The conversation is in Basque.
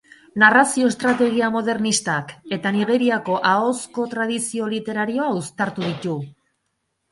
Narrazio-estrategia modernistak eta Nigeriako ahozko tradizio literarioa uztartu ditu.